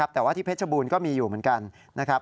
แต่ว่าที่เพชรบูรณก็มีอยู่เหมือนกันนะครับ